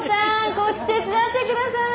こっち手伝ってください。